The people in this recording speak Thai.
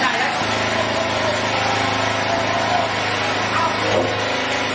อันดับที่สุดท้ายก็จะเป็น